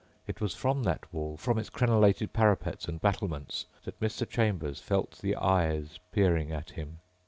It was from that wall ... from its crenelated parapets and battlements that Mr. Chambers felt the eyes peering at him.